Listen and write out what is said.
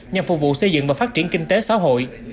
nhằm phục vụ xây dựng và phát triển kinh tế xã hội